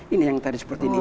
ini yang tadi seperti ini